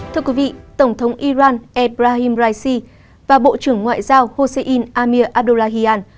thưa quý vị tổng thống iran ebrahim raisi và bộ trưởng ngoại giao hossein amir abdullahian